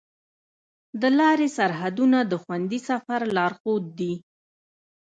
د لارې سرحدونه د خوندي سفر لارښود دي.